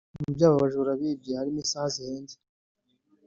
Mu byo aba bajura bibye harimo isaha zihenze